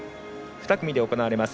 ２組で行われます。